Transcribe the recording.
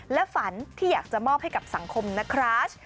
และฝันที่อยากจะมอบให้กับสังคมนะครับ